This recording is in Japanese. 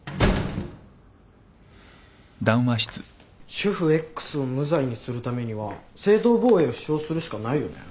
主婦Ｘを無罪にするためには正当防衛を主張するしかないよね？